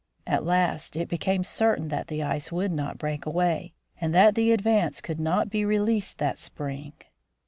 At last it became certain that the ice would not break away, and that the Advance could not be released that spring.